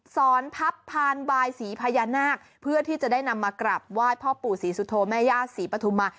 พับพานบายสีพญานาคเพื่อที่จะได้นำมากราบไหว้พ่อปู่ศรีสุโธแม่ย่าศรีปฐุมา